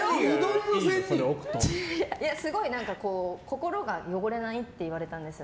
心が汚れないって言われたんですよ